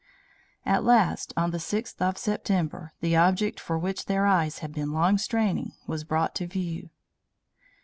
"At last, on the 6th of September, the object for which their eyes had long been straining was brought to view.